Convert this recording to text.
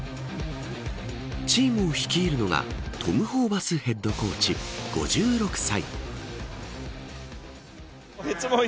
チームを率いるのがトム・ホーバスヘッドコーチ５６歳。